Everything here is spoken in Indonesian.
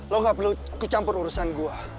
lo gak perlu kecampur urusan gue